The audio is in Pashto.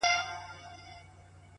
o چيري ئې وهم، چيري ئې ږغ وزي!